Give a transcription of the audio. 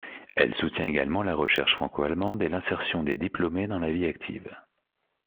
Elle soutient également la recherche franco-allemande et l'insertion des diplômés dans la vie active.